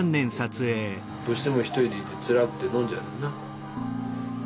どうしても１人でいてつらくて飲んじゃうよな？